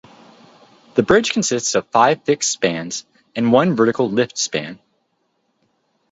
The bridge consists of five fixed spans and one vertical-lift span.